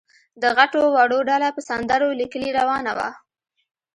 د غټو وړو ډله په سندرو له کلي روانه وه.